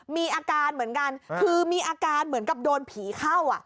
มีอาการเหมือนกันคือมีอาการเหมือนกับโดนผีเข้า